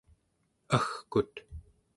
agkut